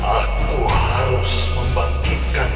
aku harus membangkitkan